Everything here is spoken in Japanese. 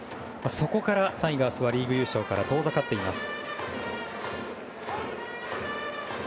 そこからタイガースはリーグ優勝から遠ざかっています。